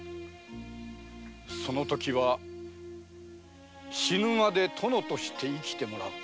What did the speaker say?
その時は死ぬまで「殿」として生きてもらう。